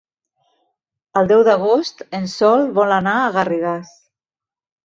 El deu d'agost en Sol vol anar a Garrigàs.